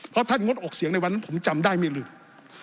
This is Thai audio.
เพราะท่านงดออกเสียงในวันนั้นผมจำได้ไม่ลืม